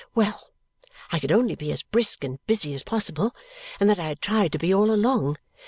Well! I could only be as brisk and busy as possible, and that I had tried to be all along.